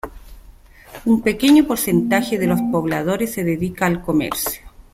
Un pequeño porcentaje de los pobladores se dedica al comercio.